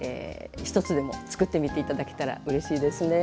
１つでもつくってみて頂けたらうれしいですね。